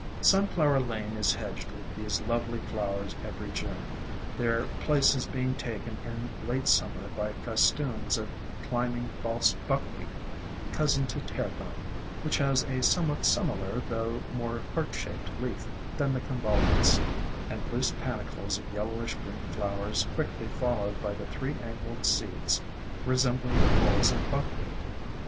Sunflower Lane is hedged with these lovely flowers every June, their places being taken in late Summer by festoons of Climbing False Buck wheat, cousin to Tear Thumb, which has a some THE DRAPERY OF VINES what similar, though more heart shaped leaf than the Con volvulus ; and loose panicles of yellowish green flowers quickly followed by the three angled seeds, resembling the hulls of Buckwheat.